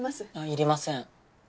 いりません。